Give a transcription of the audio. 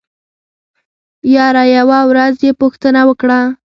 يره يوه ورځ يې پوښتنه وکړه.